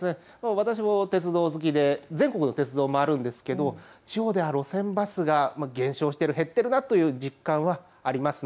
私も鉄道好きで全国の鉄道を回るんですが、地方では路線バスが減少している、減っているなという実感はあります。